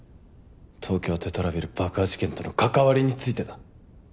東京テトラビル爆破事件との関わりについてだ。